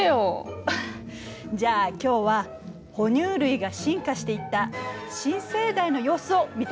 アハッじゃあ今日は哺乳類が進化していった「新生代」の様子を見ていくわよ。